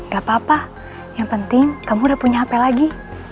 gak apa apa yang penting kamu udah punya hp lagi